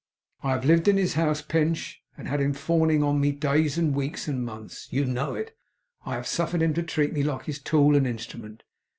'I have lived in his house, Pinch, and had him fawning on me days and weeks and months. You know it. I have suffered him to treat me like his tool and instrument.